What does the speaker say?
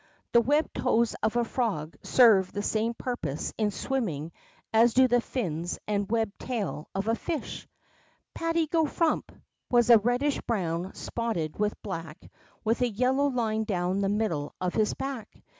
The weh toes of a frog serve the same purpose in swimming as do the fins and web tail of a fish. '^Patty go Frump'' was a reddish brown, spotted with black, with a yellow line down the middle of his hack.